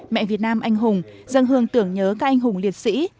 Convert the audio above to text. mẹ việt nam anh hùng dân hương tưởng nhớ các anh hùng liệt sĩ